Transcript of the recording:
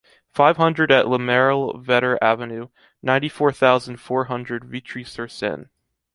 five hundred at Lemerle Vetter avenue, ninety-four thousand four hundred Vitry-sur-Seine